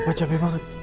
papa capek banget